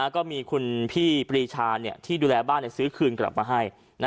ก็มีคุณพี่ปรีชาที่ดูแลบ้านซื้อคืนกลับมาให้